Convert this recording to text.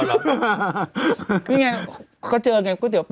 นี่ไงเขาเจอกันก็เดี๋ยว๘๐